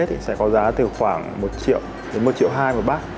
thì sẽ có giá từ khoảng một triệu đến một triệu hai một bát